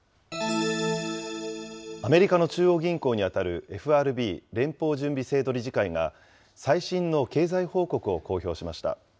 アメリカの中央銀行に当たるＦＲＢ・連邦準備制度理事会が、最新の経済報告を公表しました。